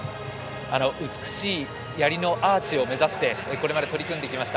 あの美しいやりのアーチを目指してこれまで取り組んできました。